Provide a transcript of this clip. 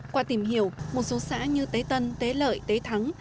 qua tìm hiểu một số xã như tế tân tế lợi tế thắng